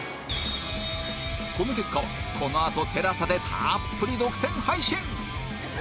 この結果はこのあと ＴＥＬＡＳＡ でたーっぷり独占配信